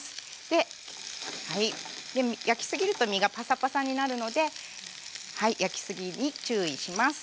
で焼き過ぎると身がパサパサになるので焼き過ぎに注意します。